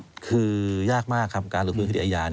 อเรนนี่คือยากมากครับ